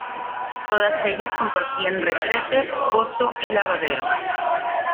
Todas ellas compartían retrete, pozo y lavadero.